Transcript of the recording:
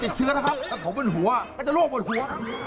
ติดเชื้อนะครับถ้าผมเป็นหัวมันจะโรคเป็นหัว